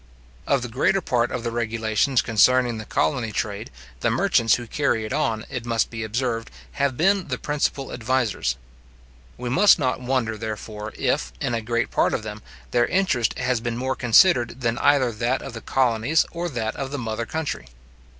Of the greater part of the regulations concerning the colony trade, the merchants who carry it on, it must be observed, have been the principal advisers. We must not wonder, therefore, if, in a great part of them, their interest has been more considered than either that of the colonies or that of the mother country.